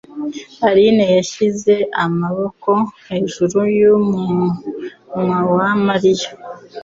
Aline yashyize amaboko hejuru y'umunwa wa Mariya.